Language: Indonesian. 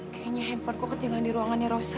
kayaknya handphone kok ketinggalan di ruangannya rosa